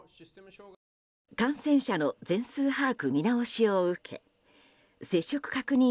感染者の全数把握見直しを受け接触確認